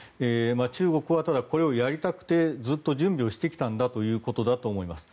中国はただこれをやりたくてずっと準備をしてきたんだということだと思います。